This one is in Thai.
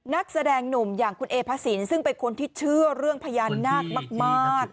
นักแสดงหนุ่มอย่างคุณเอพระสินซึ่งเป็นคนที่เชื่อเรื่องพญานาคมาก